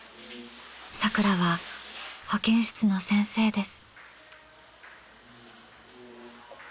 さくらは保健室の先生です。